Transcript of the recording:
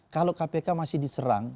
kalau kpk masih diserang